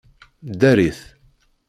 Ddarit!